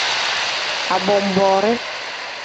Abonboori.